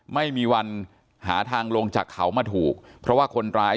ไม่มีวันหาทางลงจากเขามาถูกเพราะว่าคนร้าย